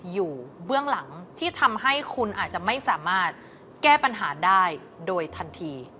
เบื้องหลังที่ทำให้คุณอาจจะไม่สามารถแก้ปัญหาได้โดยทันที